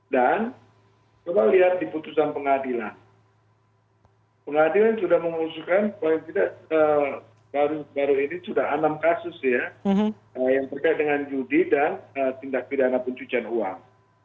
dan coba lihat di putusan pengadilan pengadilan sudah mengusulkan kalau tidak baru ini sudah enam kasus ya yang berkait dengan judi dan tindak pidana pencucian uang